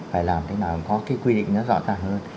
phải làm thế nào có cái quy định nó rõ ràng hơn